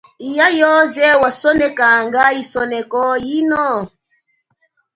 Iya yoze wandjikanga isoneko yino?